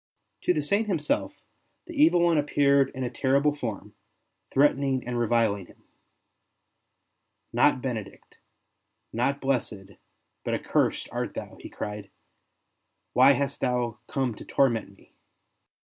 To the Saint himself the Evil One appeared in a terrible form, threatening and reviling him. '' Not Benedict — not blessed, but ac 6i 62 ST. BENEDICT cursed art thou !" he cried; '' why hast thou come to torment me?"